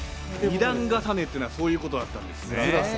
二段重ねっていうのは、そういうことだったんですね。